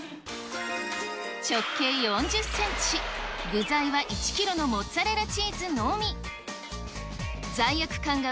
直径４０センチ、具材は１キロのモッツァレラチーズのみ。